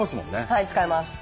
はい使えます。